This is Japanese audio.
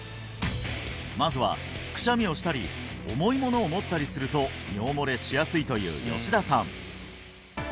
まずはくしゃみをしたり重いものを持ったりすると尿もれしやすいという吉田さん